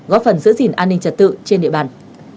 góp phần giữ gìn an ninh trật tự trên địa bàn